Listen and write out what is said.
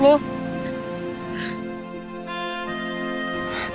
itu tuh bahaya banget buat lo